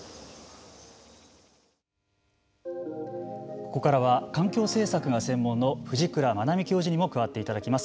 ここからは環境政策が専門の藤倉まなみ教授にも加わっていただきます。